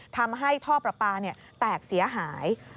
ทำให้ท่อประปาแตกเสียหาย